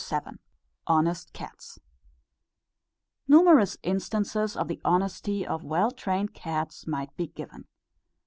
_] HONEST CATS. Numerous instances of the honesty of well trained cats might be given.